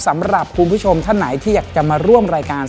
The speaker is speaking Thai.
สำหรับคุณผู้ชมท่านไหนที่อยากจะมาร่วมรายการ